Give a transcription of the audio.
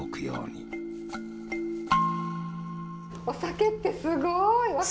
お酒ってすごい。